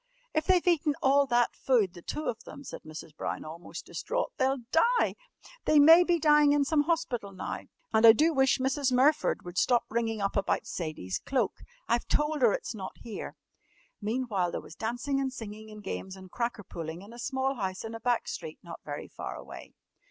"If they've eaten all that food the two of them," said Mrs. Brown almost distraught, "they'll die! They may be dying in some hospital now! And I do wish Mrs. Murford would stop ringing up about Sadie's cloak. I've told her it's not here!" Meantime there was dancing, and singing, and games, and cracker pulling in a small house in a back street not very far away.